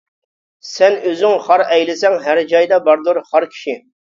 سەن ئۆزۈڭ خار ئەيلىسەڭ، ھەر جايدا باردۇر خار كىشى.